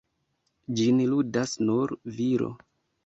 Ĝin ludas nur viro.